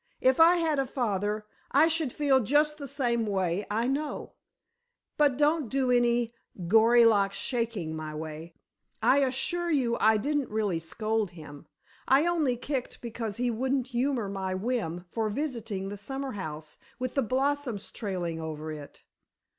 If I had a father, I should feel just the same way, I know. But don't do any gory lock shaking my way. I assure you I didn't really scold him. I only kicked because he wouldn't humor my whim for visiting the summer house with the blossoms trailing over it!